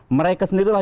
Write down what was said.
mereka sendiri lah